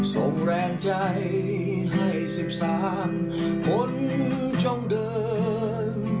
ส่งแรงใจให้๑๓ผลช่องเดิน